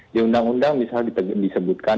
di undang undang misalnya disebutkan